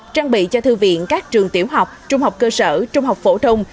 trang bị cho thư viện các trường tiểu học trung học cơ sở trung học phổ thông